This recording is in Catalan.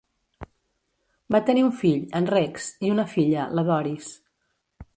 Va tenir un fill, en Rex, i una filla, la Doris.